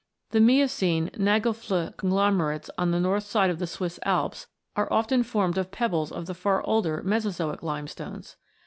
The Miocene Nagelfluh conglomerates of the north side of the Swiss Alps are often formed of pebbles of the far older Mesozoic limestones.